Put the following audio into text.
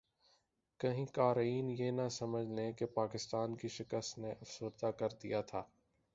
کہیں قارئین یہ نہ سمجھ لیں کہ پاکستان کی شکست نے افسردہ کردیا تھا